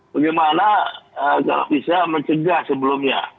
bagaimana kalau bisa mencegah sebelumnya